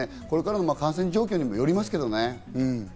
これからの感染状況にもよりますけどね。